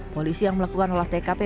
polisi yang melakukan olah tkp